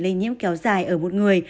lây nhiễm kéo dài ở một người